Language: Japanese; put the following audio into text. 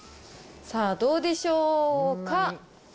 さあ、どうでしょうか。